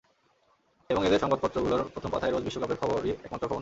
এবং এদের সংবাদপত্রগুলোর প্রথম পাতায় রোজ বিশ্বকাপের খবরই একমাত্র খবর নয়।